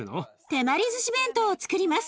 手まりずし弁当をつくります。